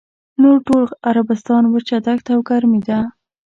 نور ټول عربستان وچه دښته او ګرمي ده.